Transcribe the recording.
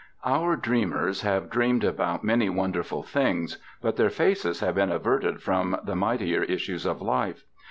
Our dreamers have dreamed about many wonderful things, but their faces have been averted from the mightier issues of life.